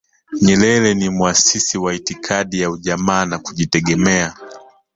nyerere ni mwasisi wa itikadi ya ujamaa na kujitegemea